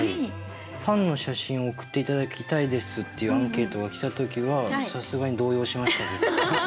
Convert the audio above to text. パンの写真を送って頂きたいですっていうアンケートが来た時はさすがに動揺しましたね。